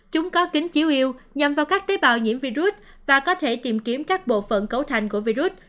chúng có kính chiếu yêu nhằm vào các tế bào nhiễm virus và có thể tìm kiếm các bộ phận cấu thành của virus